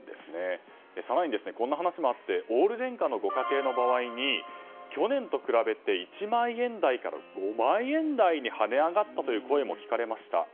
更に、こんな話もあってオール電化のご家庭の場合に去年と比べて１万円台から５万円台に跳ね上がったという声も聞かれました。